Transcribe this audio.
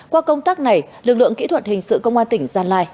qua công tác này lực lượng kỹ thuật hình sự công an tỉnh gia lai